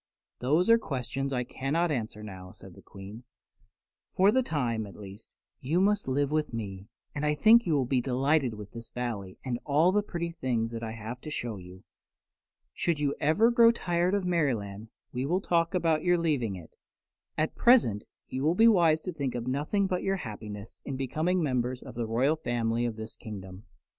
"Those are questions I cannot answer now," said the Queen. "For the time, at least, you must live with me, and I think you will be delighted with this Valley and all the pretty things I have to show you. Should you ever grow tired of Merryland we will talk about your leaving it. At present you will be wise to think of nothing but your happiness in becoming members of the royal family of this kingdom."